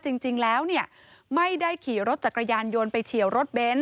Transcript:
จริงแล้วเนี่ยไม่ได้ขี่รถจักรยานยนต์ไปเฉียวรถเบนท์